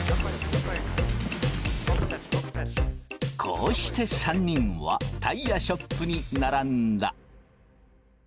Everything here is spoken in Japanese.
こうして３人はタイヤショップに並んだ。